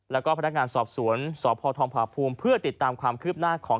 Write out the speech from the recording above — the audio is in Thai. แล้วก็พนักงานสอบสวนสพทองผาภูมิเพื่อติดตามความคืบหน้าของ